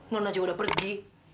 nona juga udah pergi